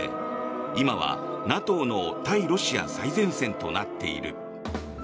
今はＮＡＴＯの対ロシア最前線となっている。